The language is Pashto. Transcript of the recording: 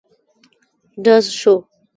ډز شو.